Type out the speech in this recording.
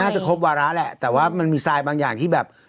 จะครบวาระแหละแต่ว่ามันมีทรายบางอย่างที่แบบ